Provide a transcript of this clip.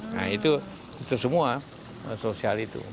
nah itu semua sosial itu